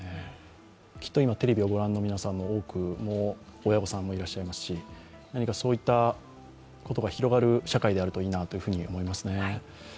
きっと今、テレビを御覧の皆さんの多くの親御さんもいらっしゃいますしそういったことが広がる社会であればいいなと思いますね。